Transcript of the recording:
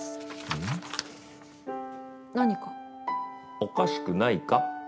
おかしくないか？